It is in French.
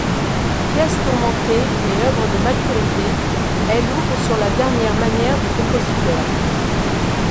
Pièce tourmentée et œuvre de maturité, elle ouvre sur la dernière manière du compositeur.